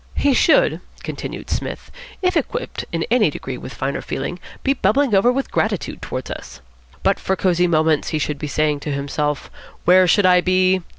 "He should," continued Psmith, "if equipped in any degree with finer feelings, be bubbling over with gratitude towards us. 'But for Cosy Moments,' he should be saying to himself, 'where should I be?